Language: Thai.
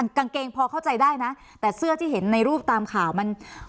กางเกงพอเข้าใจได้นะแต่เสื้อที่เห็นในรูปตามข่าวมัน